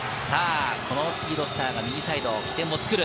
このスピードスターが右サイド、起点を作る。